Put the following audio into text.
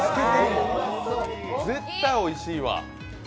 絶対おいしいわ。